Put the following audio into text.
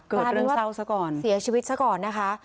เกิดเรื่องเศร้าซะก่อนเสียชีวิตซะก่อนนะคะ